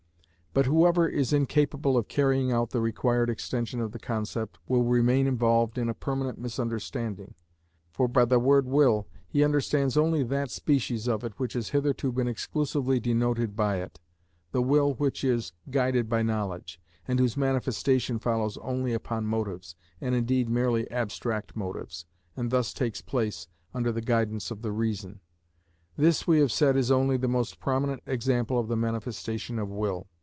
But whoever is incapable of carrying out the required extension of the concept will remain involved in a permanent misunderstanding. For by the word will he understands only that species of it which has hitherto been exclusively denoted by it, the will which is guided by knowledge, and whose manifestation follows only upon motives, and indeed merely abstract motives, and thus takes place under the guidance of the reason. This, we have said, is only the most prominent example of the manifestation of will.